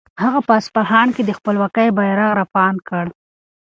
هغه په اصفهان کې د خپلواکۍ بیرغ رپاند کړ.